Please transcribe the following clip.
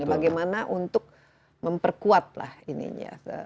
bagaimana untuk memperkuatlah ini ya